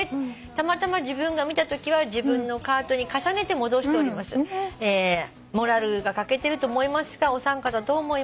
たまたま自分が見たときは自分のカートに重ねて戻しております」「モラルが欠けてると思いますがお三方どう思いますか？」